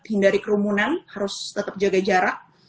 hindari kerumunan harus tetap jaga jarak